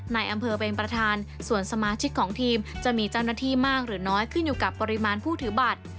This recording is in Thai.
ในอำเภอเป็นประธานส่วนสมาชิกของทีมจะมีเจ้าหน้าที่มากหรือน้อยขึ้นอยู่กับปริมาณผู้ถือบัตร